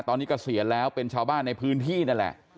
ตอนนี้เกษียณแล้วเป็นชาวบ้านในพื้นที่นั่นแหละ